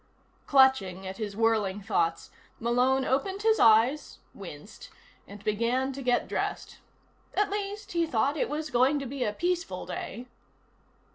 Clutching at his whirling thoughts, Malone opened his eyes, winced, and began to get dressed. At least, he thought, it was going to be a peaceful day.